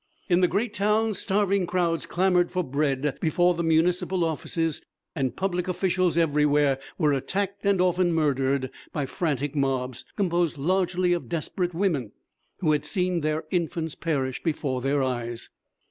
In the great towns starving crowds clamoured for bread before the municipal offices, and public officials everywhere were attacked and often murdered by frantic mobs, composed largely of desperate women who had seen their infants perish before their eyes.